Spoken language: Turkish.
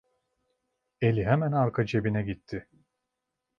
Eli hemen arka cebine gitti.